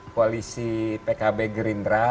koalisi pkb gerindra